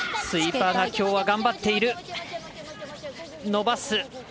スイーパーがきょうは頑張っている。